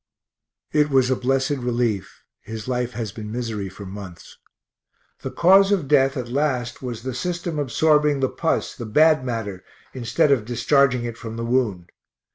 It was a blessed relief; his life has been misery for months. The cause of death at last was the system absorbing the pus, the bad matter, instead of discharging it from [the] wound.